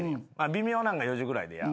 微妙なんが４時ぐらいでや。